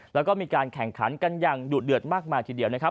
แล้วก็มีการแข่งขันกันอย่างดุเดือดมากมายทีเดียวนะครับ